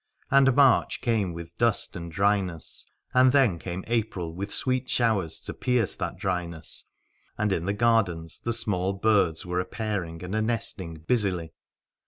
And March came with dust and dryness, and then came April with sweet showers to pierce that dryness, and in the gardens the small birds were a pairing and a nesting busily.